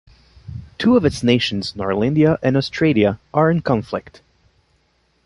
Two of its nations, Norlandia and Austradia, are in conflict.